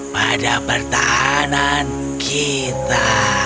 pada pertahanan kita